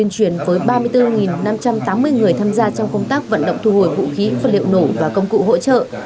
truyền với ba mươi bốn năm trăm tám mươi người tham gia trong công tác vận động thu hồi vũ khí vật liệu nổ và công cụ hỗ trợ